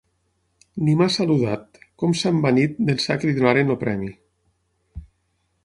Ni m'ha saludat: com s'ha envanit, d'ençà que li donaren el premi.